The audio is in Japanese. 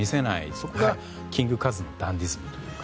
それがキングカズのダンディズムというか。